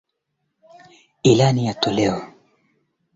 baadhi ya vipengele katika programu vinahitaji muundo maalum